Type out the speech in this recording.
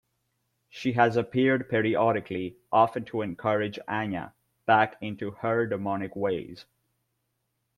She has appeared periodically, often to encourage Anya back into her demonic ways.